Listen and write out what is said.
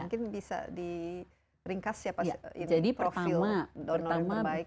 mungkin bisa di ringkas siapa profil donor yang terbaik